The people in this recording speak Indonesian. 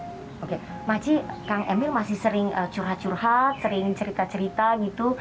oke makci kang emil masih sering curhat curhat sering cerita cerita gitu